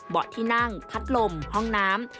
ที่นั่งพัดลมห้องน้ำ